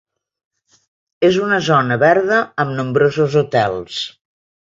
És una zona verda amb nombrosos hotels.